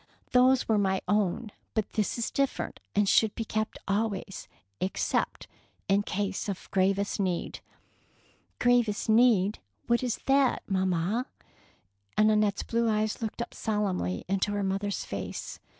"Those were my own, but this is different, and should be kept always, except in case of gravest need." "Q ravest need — what is that, mam mal" and Annette's blue eyes looked up solemnly into her mother's face.